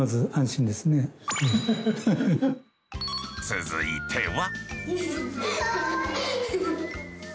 続いては。